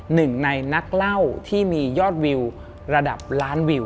หนึ่งในนักเล่าที่มียอดวิวระดับล้านวิว